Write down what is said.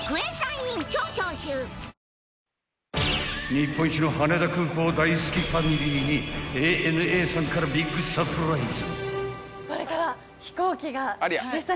［日本一の羽田空港大好きファミリーにＡＮＡさんからビッグサプライズ］